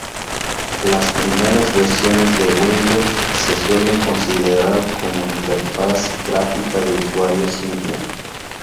Las primeras versiones de Windows se suelen considerar como interfaz gráfica de usuario simple.